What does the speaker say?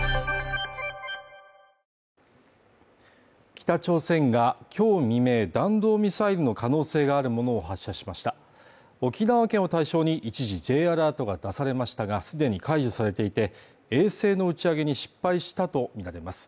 北朝鮮がきょう未明弾道ミサイルの可能性があるものを発射しました沖縄県を対象に一時、Ｊアラートが出されましたがすでに解除されていて衛星の打ち上げに失敗したと見られます